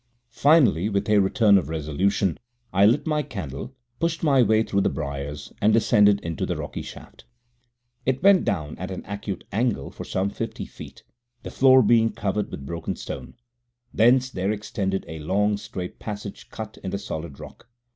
Finally, with a return of resolution, I lit my candle, pushed my way through the briars, and descended into the rocky shaft. It went down at an acute angle for some fifty feet, the floor being covered with broken stone. Thence there extended a long, straight passage cut in the solid rock.